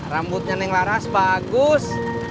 rambutnya neng laras bagus